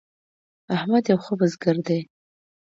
احمد یو ښه بزګر دی.